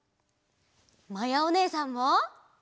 まやおねえさんも！